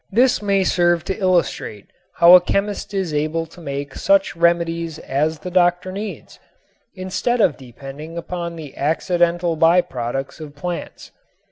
This may serve to illustrate how a chemist is able to make such remedies as the doctor needs, instead of depending upon the accidental by products of plants.